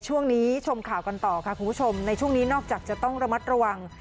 ช่วงนี้ชมข่าวกันต่อค่ะคุณผู้ชมในช่วงนี้นอกจากจะต้องระมัดระวัง